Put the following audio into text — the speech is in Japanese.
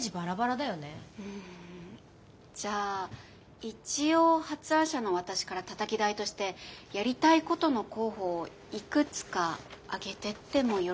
うんじゃあ一応発案者の私からたたき台としてやりたいことの候補をいくつか挙げてってもよろしいでしょうか。